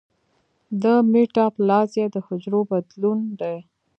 د میټاپلاسیا د حجرو بدلون دی.